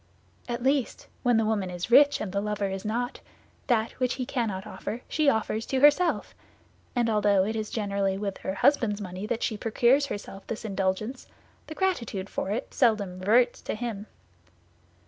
At least, when the woman is rich and the lover is not, that which he cannot offer she offers to herself; and although it is generally with her husband's money that she procures herself this indulgence, the gratitude for it seldom reverts to him.